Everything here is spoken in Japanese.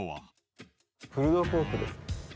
プルドポークです。